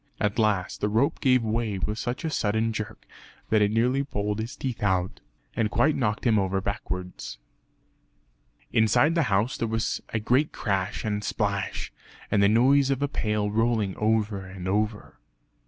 At last the rope gave way with such a sudden jerk that it nearly pulled his teeth out, and quite knocked him over backwards. Inside the house there was a great crash and splash, and the noise of a pail rolling over and over.